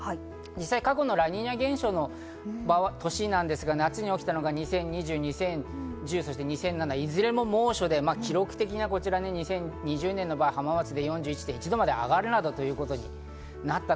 実際、過去のラニーニャ現象の年なんですが、夏に起きたのが２０２０年、２０１０年、２００７年、いずれも猛暑で記録的な２０２０年の場合、浜松で４１．１度まで上がるなどということもありました。